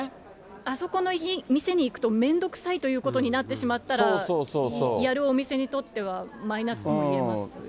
あそこの店に行くと面倒くさいということになってしまったら、やるお店にとってはマイナスにもなりますよね。